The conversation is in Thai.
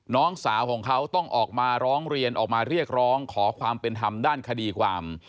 น้องสาวของเขาต้องออกมาร้องเรียนออกมาเรียกร้องขอความเป็นธรรมด้านคดีความ